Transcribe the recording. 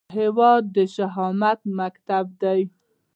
هیواد د شهامت مکتب دی